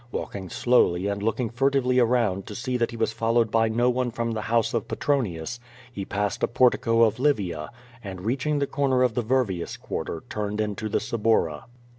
Walking slowly and looking fur tively around to see that he was followed by no one from the house of Petronius, he passed a portico of Livia, and, reaching the corner of the Virvius quarter, turned into the Suburra.